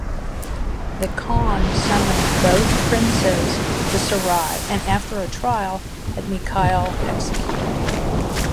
The khan summoned both princes to Sarai and, after a trial, had Mikhail executed.